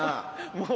もう。